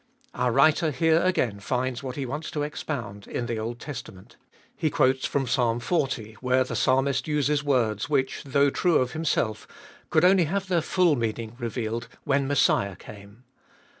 Our writer here again finds what he wants to expound, in the Old Testament. He quotes from Psalm xl, where the 882 3be fjoltest of ail Psalmist uses words which, though true of himself, could only have their full meaning revealed when the Messiah came.